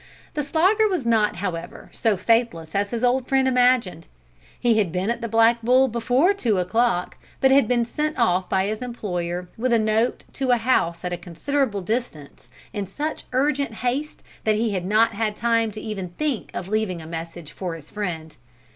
The Slogger was not however, so faithless as his old friend imagined. He had been at the Black Bull before two o'clock, but had been sent off by his employer with a note to a house at a considerable distance in such urgent haste that he had not time even to think of leaving a message for his friend.